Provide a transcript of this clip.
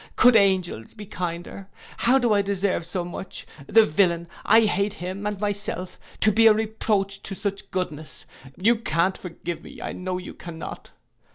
Could angels be kinder! How do I deserve so much! The villain, I hate him and myself, to be a reproach to such goodness. You can't forgive me. I know you cannot.